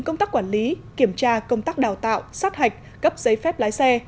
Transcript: công tác quản lý kiểm tra công tác đào tạo sát hạch cấp giấy phép lái xe